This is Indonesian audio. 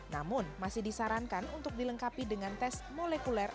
namun masih disarankan untuk dilengkapi dengan tes molekuler